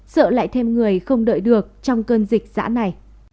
sợ lại thêm người không đợi được trong cơn dịch giã này